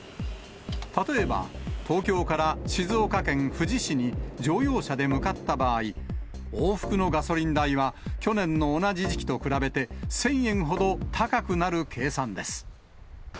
例えば、東京から静岡県富士市に乗用車で向かった場合、往復のガソリン代は、去年の同じ時期と比べて、１０００円ほど高くなる計算です。